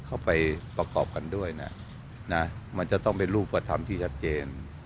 เข้าไปประกอบกันด้วยนะมันจะต้องเป็นรูปธรรมที่ชัดเจน